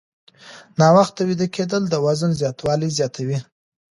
ناوخته ویده کېدل د وزن زیاتوالی زیاتوي.